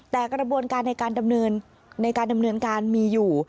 แต่กระบวนการในการดำเนินการมีอยู่